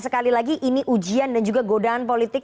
sekali lagi ini ujian dan juga godaan politik